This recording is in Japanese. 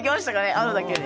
会うだけで？